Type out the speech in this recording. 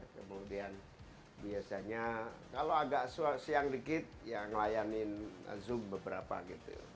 kemudian biasanya kalau agak siang dikit ya ngelayanin zoom beberapa gitu